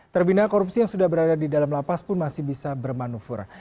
terbina korupsi yang sudah berada di dalam lapas pun masih bisa bermanuver